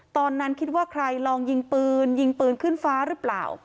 ตอนนั้นคิดว่าใครลองยิงปืนยิงปืนขึ้นฟ้าหรือเปล่า